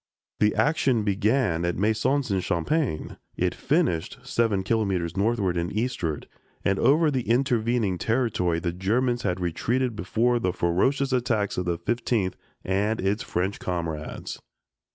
The action began at Maisons en Champagne; it finished seven kilometers northward and eastward, and over the intervening territory the Germans had retreated before the ferocious attacks of the Fifteenth and its French comrades.